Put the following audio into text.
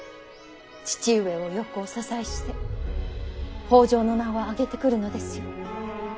父上をよくお支えして北条の名を上げてくるのですよ。